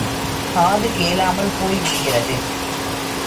காது கேளாமல் போய் விடுகிறது.